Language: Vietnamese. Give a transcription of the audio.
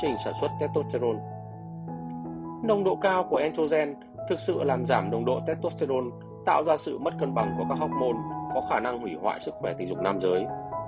nông độ cao của estrogen thực sự làm giảm nông độ tetosterone tạo ra sự mất cân bằng của các hormôn có khả năng hủy hoại sức khỏe tình dục nam giới